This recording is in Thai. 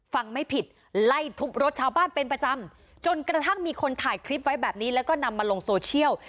ไม่ผิดไล่ทุบรถชาวบ้านเป็นประจำจนกระทั่งมีคนถ่ายคลิปไว้แบบนี้แล้วก็นำมาลงโซเชียล